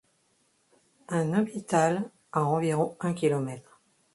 Un hôpital à environ un kilomètre.